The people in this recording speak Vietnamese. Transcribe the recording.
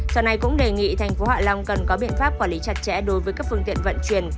sở này cũng đề nghị thành phố hạ long cần có biện pháp quản lý chặt chẽ đối với các phương tiện vận chuyển